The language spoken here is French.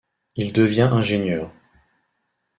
Il devient ingénieur.